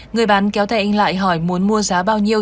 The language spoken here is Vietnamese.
người bán kéo thầy anh lại hỏi muốn mua giá bao nhiêu